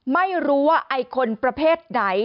ไม่รู้ว่าไอ้คนประเภทไหน